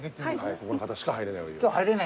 ここの方しか入れない。